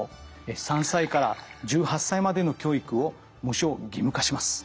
３歳から１８歳までの教育を無償義務化します。